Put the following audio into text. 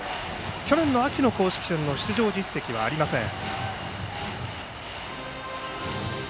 去年秋の公式戦の出場実績はありません。